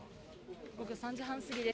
午後３時半過ぎです。